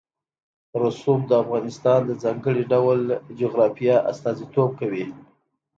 رسوب د افغانستان د ځانګړي ډول جغرافیه استازیتوب کوي.